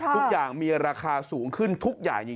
ทุกอย่างมีราคาสูงขึ้นทุกอย่างจริง